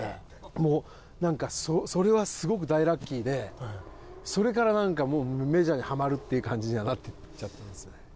もうなんかそれはすごく大ラッキーでそれからなんかもうメジャーにハマるっていう感じにはなっていっちゃったんですね。